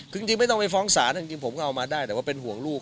คือจริงไม่ต้องไปฟ้องศาลจริงผมก็เอามาได้แต่ว่าเป็นห่วงลูก